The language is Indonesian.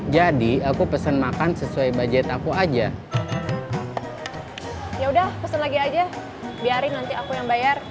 jadi aku pesan makan sesuai bajet aku aja ya udah pesan lagi aja biarin nanti aku yang bayar